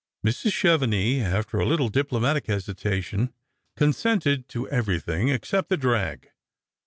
Mrs. Chevenix, after a little diplomatic hesitation, conseated to everything except the drag.